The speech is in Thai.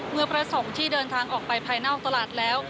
พระสงฆ์ที่เดินทางออกไปภายนอกตลาดแล้ว